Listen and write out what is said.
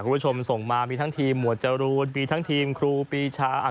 คุณผู้ชมส่งมามีทั้งทีมหมวดจรูนมีทั้งทีมครูปีชา